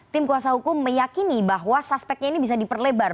tim kuasa hukum meyakini bahwa suspeknya ini bisa diperlebar